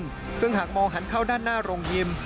ซึ่งหากมองหันเข้าด้านหน้าโรงยิม